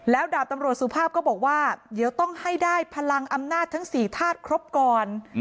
แล้วดาบตำรวจสุภาพก็บอกว่าเดี๋ยวต้องให้ได้พลังอำนาจทั้ง๔ธาตุครบก่อน